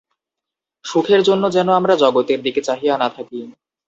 সুখের জন্য যেন আমরা জগতের দিকে চাহিয়া না থাকি।